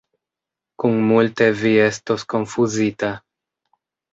Kun multe vi estos konfuzita.